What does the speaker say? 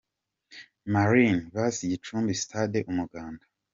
Marines vs Gicumbi – Stade Umuganda.